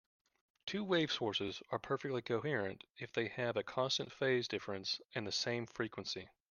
Two-wave sources are perfectly coherent if they have a constant phase difference and the same frequency.